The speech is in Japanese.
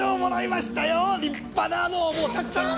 立派なのをもうたくさん！